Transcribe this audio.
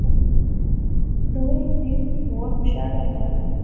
دوہے دن ہیک ہور مشاعرہ واہ